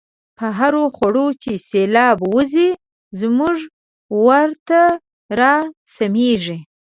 په هرخوړ چی سیلاب وزی، زمونږ وره ته را سمیږی